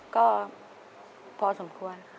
ก็พอสมควร